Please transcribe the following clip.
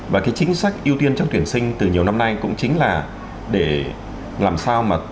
và cái chính sách ưu tiên trong tuyển sinh từ nhiều năm nay cũng chính là để làm sao mà